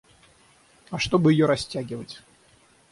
А чтобы её растягивать.